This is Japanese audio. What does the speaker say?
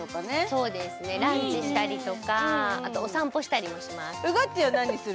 そうですねランチしたりとかあとお散歩したりもします